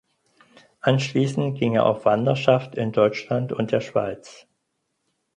Anschließend ging er auf Wanderschaft in Deutschland und der Schweiz.